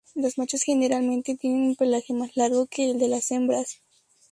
Los machos generalmente tienen un pelaje más largo que el de las hembras.